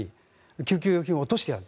救急器具を落としてやる。